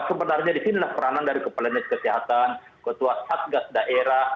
sebenarnya di sinilah peranan dari kepala nis kesehatan ketua satgas daerah